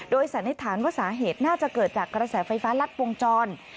สันนิษฐานว่าสาเหตุน่าจะเกิดจากกระแสไฟฟ้ารัดวงจร